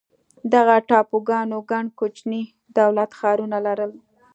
دغه ټاپوګانو ګڼ کوچني دولت ښارونه لرل.